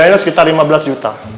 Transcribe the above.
akhirnya sekitar lima belas juta